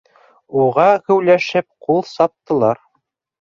Уға геүләшеп ҡул саптылар.